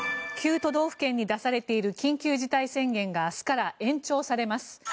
都道府県に出されている緊急事態宣言が明日から延長されます。